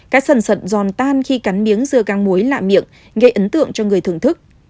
cái sần sận giòn tan khi cắn miếng dưa găng muối lạ miệng gây ấn tượng cho người thưởng thức